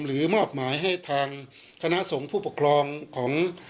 มอบหมายให้ทางคณะสงฆ์ผู้ปกครองของ